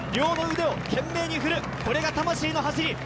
両腕を懸命に振る、これが魂の走り。